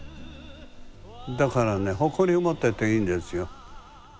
だからね誇りを持ってていいんですよ。